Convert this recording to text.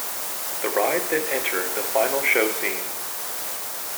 The ride then enter the final show scene.